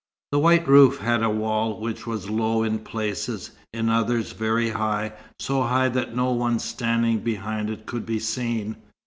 The white roof had a wall, which was low in places, in others very high, so high that no one standing behind it could be seen.